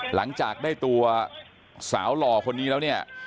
หลังจากได้ตัวสาวหล่อคนนี้แล้วเนี่ย